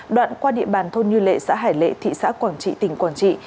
đoạn qua địa bàn thôn như lệ xã hải lệ thị xã quảng trị tỉnh quảng trị